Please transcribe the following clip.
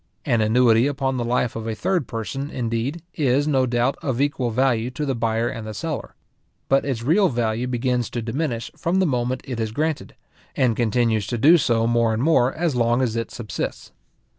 An annuity upon the life of a third person, indeed, is, no doubt, of equal value to the buyer and the seller; but its real value begins to diminish from the moment it is granted, and continues to do so, more and more, as long as it subsists.